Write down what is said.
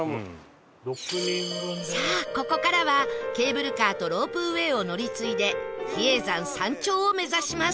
さあここからはケーブルカーとロープウェイを乗り継いで比叡山山頂を目指します